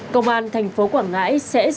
công an thành phố quảng ngãi sẽ giải quyết